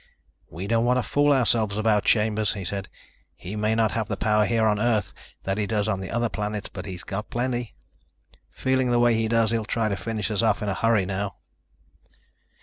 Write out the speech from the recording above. "We don't want to fool ourselves about Chambers," he said. "He may not have the power here on Earth that he does on the other planets, but he's got plenty. Feeling the way he does, he'll try to finish us off in a hurry now."